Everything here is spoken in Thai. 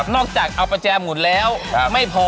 จากเอาประแจหมุนแล้วไม่พอ